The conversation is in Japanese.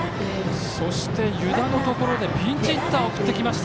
そして、湯田のところでピンチヒッターを送ってきました。